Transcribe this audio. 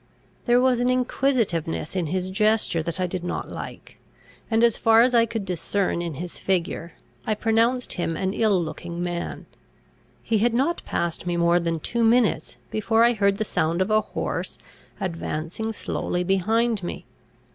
There was an inquisitiveness in his gesture that I did not like; and, as far as I could discern his figure, I pronounced him an ill looking man. He had not passed me more than two minutes before I heard the sound of a horse advancing slowly behind me.